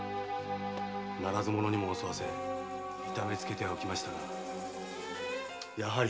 ならず者にも襲わせ痛めつけてはおきましたがやはり斬っておくべきでした。